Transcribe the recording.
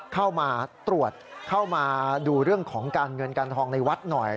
เข้ามาตรวจเข้ามาดูเรื่องของการเงินการทองในวัดหน่อย